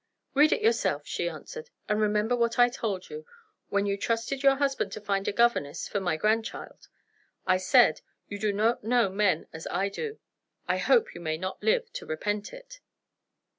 "Read it yourself," she answered; "and remember what I told you, when you trusted your husband to find a governess for my grandchild. I said: 'You do not know men as I do.' I hope you may not live to repent it."